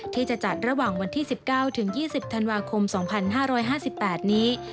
ที่จะจัดระหว่างวันที่๑๙๒๐ธันวาคม๒๕๕๘นี้